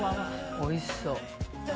おいしそう！